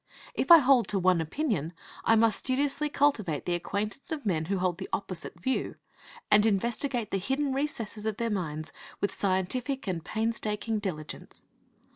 If I hold to one opinion, I must studiously cultivate the acquaintance of men who hold the opposite view, and investigate the hidden recesses of their minds with scientific and painstaking diligence.